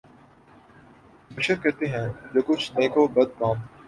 بشر کرتے ہیں جو کچھ نیک و بد کام